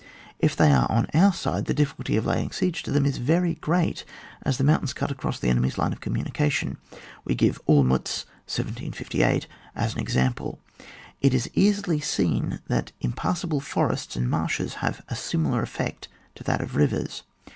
If they are on our side, the difficulty of laying siege to them is very great, as the mountains cut across the enemy's line of communication. We give Olmiitz, 1758, as an example. It is easily seen that impassable forests and marshes have a similar effect to that of rivers.